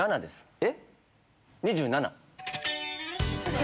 えっ。